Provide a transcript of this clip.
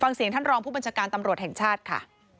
ฟังเสียงท่านรองผู้บัญชาการตำรวจแห่งชาติค่ะ